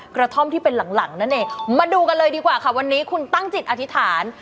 กระท่อมที่เป็นหลังนั่นเองมาดูกันเลยดีกว่าค่ะวันนี้คุณตั้งจิตอธิษฐาน